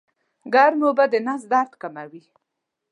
ګرمې اوبه د نس درد کموي